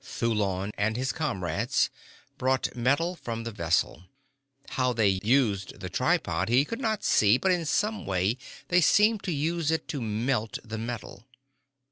Thulon and his comrades brought metal from the vessel. How they used the tripod he could not see but in some way they seemed to use it to melt the metal.